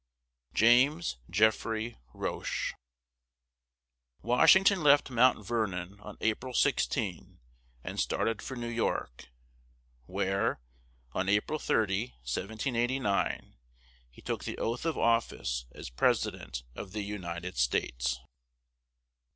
JAMES JEFFREY ROCHE. Washington left Mount Vernon on April 16, and started for New York, where, on April 30, 1789, he took the oath of office as President of the United States.